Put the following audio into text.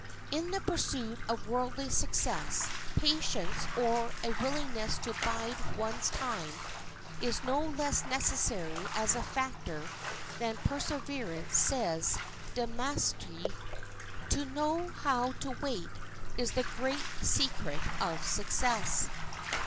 In the pursuit of worldly success patience or a willingness to bide one's time is no less necessary as a factor than perseverance. Says De Maistre, "To know how to wait is the great secret of success."